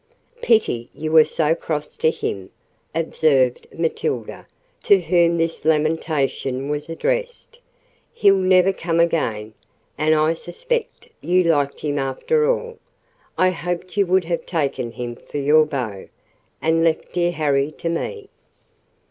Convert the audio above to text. "Pity you were so cross to him," observed Matilda, to whom this lamentation was addressed. "He'll never come again: and I suspect you liked him after all. I hoped you would have taken him for your beau, and left dear Harry to me."